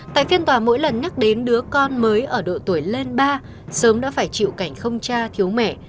tại phiên tòa mỗi lần nhắc đến đứa con mới ở độ tuổi lên ba sớm đã phải chịu cảnh không cha thiếu mẹ